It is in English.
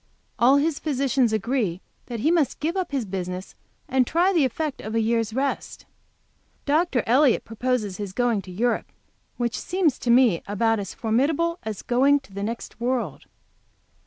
All his physicians agree that he must give up his business and try the effect of a year's rest. Dr. Elliott proposes his going to Europe, which seems to me about as formidable as going to the next world.